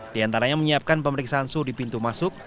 di antaranya menyiapkan pemeriksaan suhu di pintu masuk